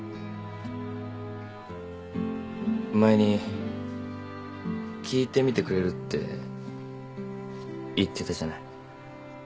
前に聞いてみてくれるって言ってたじゃない。